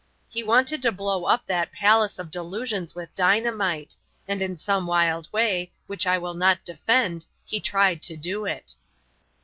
He wanted to blow up that palace of delusions with dynamite; and in some wild way, which I will not defend, he tried to do it.